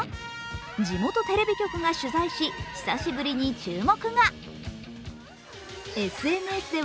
地元テレビ局が取材し、久しぶりに注目が。